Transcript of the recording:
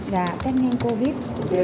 và test nghiệm covid